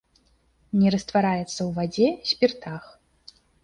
Не раствараецца ў вадзе, спіртах.